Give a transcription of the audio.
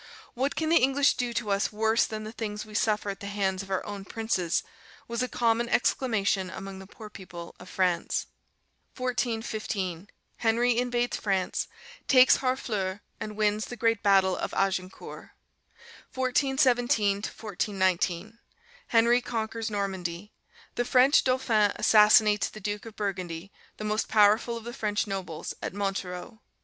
'What can the English do to us worse than the things we suffer at the hands of our own princes?' was a common exclamation among the poor people of France." [Pictorial Hist. of England, vol. i. p. 28.] 1415. Henry invades France, takes Harfleur, and wins the great battle of Agincourt. 1417 1419. Henry conquers Normandy. The French Dauphin assassinates the Duke of Burgundy, the most powerful of the French nobles, at Montereau.